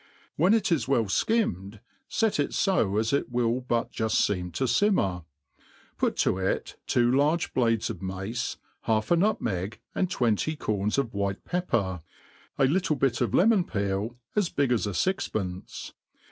When it is well (kimmed, fct it fo as it will b^c juft fccm to fimmer ; put to it two large Wrvdes of mace, baljf a nutmeg, and twenty corns of white ^pper, a little bit of lemon peel as big as a fixpence.